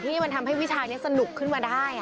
ที่มันทำให้วิชาคณิตศาสตร์นี้สนุกขึ้นมาได้